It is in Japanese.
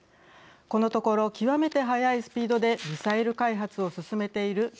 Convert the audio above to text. このところ極めて早いスピードでミサイル開発を進めている北朝鮮。